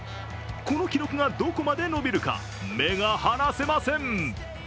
この記録がどこまで伸びるか、目が離せません。